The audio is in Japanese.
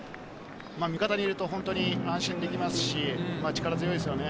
見方にいると安心できますし、力強いですよね。